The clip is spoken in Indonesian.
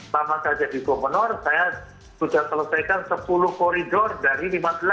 pertama kali jadi kompor saya sudah selesaikan sepuluh koridor dari lima belas